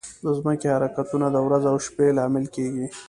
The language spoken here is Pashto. د ځمکې حرکتونه د ورځ او شپه لامل کېږي.